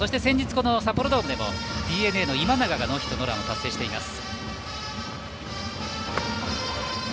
この札幌ドームでＤｅＮＡの今永がノーヒットノーランを達成しています。